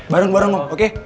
bareng bareng om oke